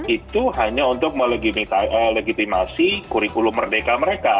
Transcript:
itu hanya untuk melegitimasi kurikulum merdeka mereka